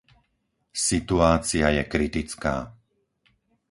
Situácia je kritická.